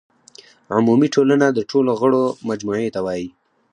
عمومي ټولنه د ټولو غړو مجموعې ته وایي.